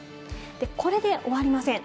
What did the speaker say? これで終わりません。